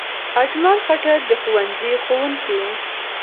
اجمل خټک د ښوونځي ښوونکی و.